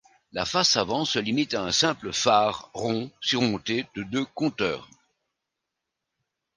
La face avant se limite à un simple phare rond surmonté de deux compteurs.